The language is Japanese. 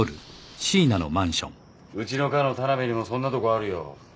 うちの科の田辺にもそんなとこあるよ。